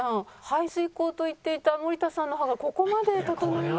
排水口と言っていた森田さんの歯がここまで整いました。